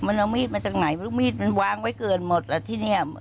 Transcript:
มันเอามีดมาจากไหนไม่รู้มีดมันวางไว้เกินหมดล่ะที่เนี่ย